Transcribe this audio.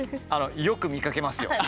よく見かけますよ。